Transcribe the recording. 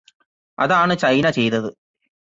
അതാണ് ചൈന ചെയ്തത്.